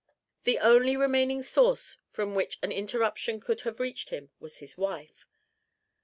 The only remaining source from which an interruption could have reached him was his wife.